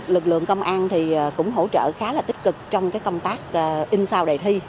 lực lượng công an cũng hỗ trợ khá là tích cực trong công tác in sao đề thi